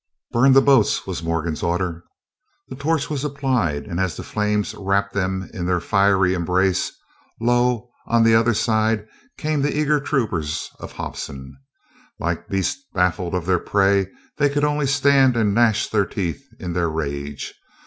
"Burn the boats," was Morgan's order. The torch was applied, and as the flames wrapped them in their fiery embrace, lo! on the other side came the eager troopers of Hobson. Like beasts baffled of their prey, they could only stand and gnash their teeth in their rage.